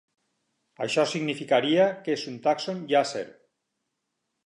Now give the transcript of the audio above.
Això significaria que és un tàxon Llàtzer.